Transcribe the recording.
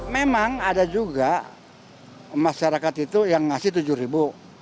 memang ada juga masyarakat itu yang ngasih rp tujuh